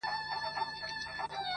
وږی تږی قاسم یار یې له سترخانه ولاړېږم,